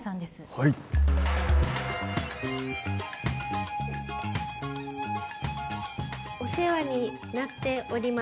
はいお世話になっております